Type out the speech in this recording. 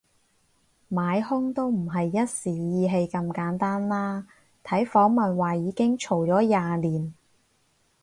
買兇都唔係一時意氣咁簡單啦，睇訪問話已經嘈咗廿年